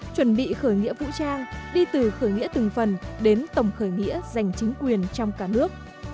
chuẩn bị khởi nghĩa vũ trang đi từ khởi nghĩa từng phần đến tổng khởi nghĩa giành chính quyền trong cả nước